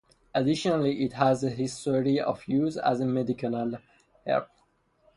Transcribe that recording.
Additionally, it has a history of use as a medicinal herb.